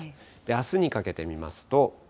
あすにかけて見ますと。